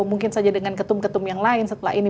mungkin saja dengan ketum ketum yang lain setelah ini